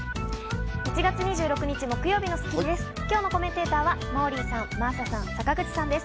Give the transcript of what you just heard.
１月２６日、木曜日の『スッキリ』です。